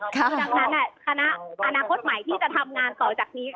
คือดังนั้นคณะอนาคตใหม่ที่จะทำงานต่อจากนี้